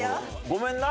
ごめんな。